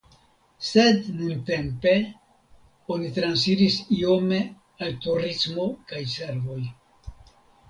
Sed nuntempe oni transiris iome al turismo kaj servoj.